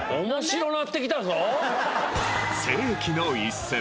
世紀の一戦。